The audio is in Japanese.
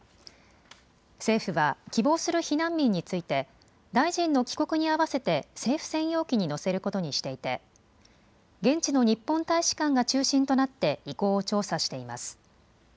政府は希望する避難民について大臣の帰国に合わせて政府専用機に乗せることにしていて現地の日本大使館が中心となって意向を調査しています。